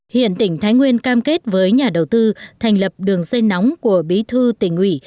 hiện tỉnh thái nguyên cam kết với nhà đầu tư thành lập đường dây nóng của bí thư tỉnh ủy